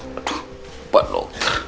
aduh buat lo